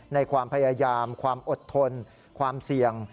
ในความพยายามความอดทนความเสี่ยง